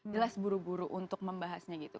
jelas buru buru untuk membahasnya gitu